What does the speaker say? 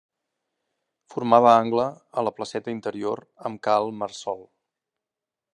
Formava angle a la placeta interior amb Cal Marçol.